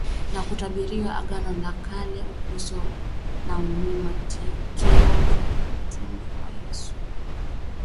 na kutabiriwa na Agano la KaleUkristo ni matokeo ya utume wa Yesu